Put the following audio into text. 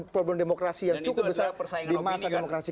problem demokrasi yang cukup besar di masa demokrasi